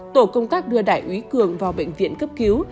tổ công tác đưa đại úy cường vào bệnh viện cấp cứu